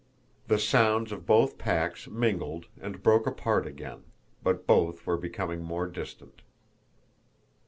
The sounds of both packs mingled and broke apart again, but both were becoming more distant.